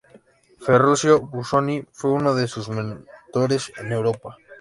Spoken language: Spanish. Ferruccio Busoni fue uno de sus mentores en Europa.